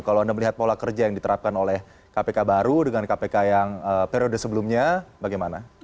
kalau anda melihat pola kerja yang diterapkan oleh kpk baru dengan kpk yang periode sebelumnya bagaimana